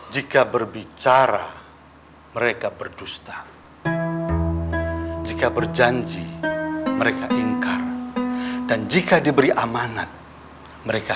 jika berbicara mereka berdusta jika berjanji mereka ingkar dan jika diberi amanat mereka